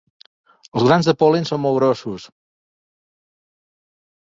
Els grans de pol·len són molt grossos.